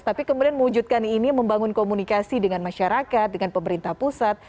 tapi kemudian mewujudkan ini membangun komunikasi dengan masyarakat dengan pemerintah pusat